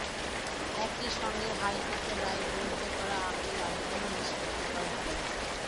একই সঙ্গে হাইকোর্টের রায়ের বিরুদ্ধে করা আপিল আবেদনও নিষ্পত্তি করেন আদালত।